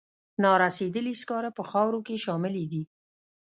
نارسیدلي سکاره په خاورو کې شاملې دي.